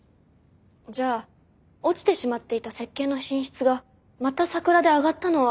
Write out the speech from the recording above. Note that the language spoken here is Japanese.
じゃあ落ちてしまっていた石鹸の品質がまたさくらで上がったのは。